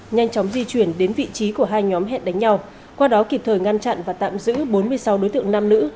nhanh chóng di chuyển đến vị trí của hai nhóm hẹn đánh nhau qua đó kịp thời ngăn chặn và tạm giữ bốn mươi sáu đối tượng nam nữ